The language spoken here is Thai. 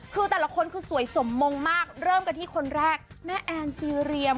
คือแต่ละคนคือสวยสมมงมากเริ่มกันที่คนแรกแม่แอนซีเรียม